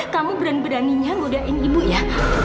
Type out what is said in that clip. kamu beran beraninya ngodain ibu ya